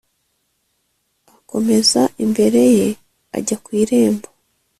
Akomeza imbere ye ajya ku irembo